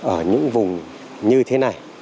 ở những vùng như thế này